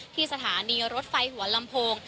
สถานีรถไฟหัวลำโพง